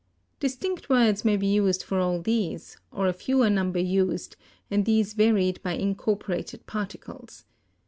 Distinct words may be used for all these, or a fewer number used, and these varied by incorporated particles.